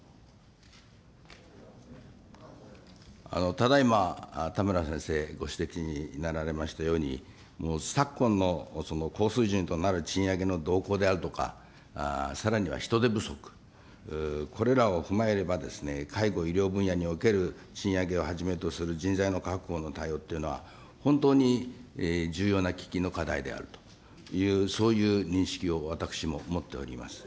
ただいま田村先生ご指摘になられましたように、さっこんの高水準となる賃上げの動向であるとか、さらには人手不足、これらを踏まえれば、介護、医療分野における賃上げをはじめとする人材の確保の対応というのは、本当に重要な喫緊の課題であると、そういう認識を私も持っております。